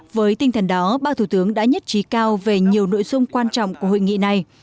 với tinh thần đó ba thủ tướng đã nhất trí cao về nhiều nội dung quan trọng của hội nghị này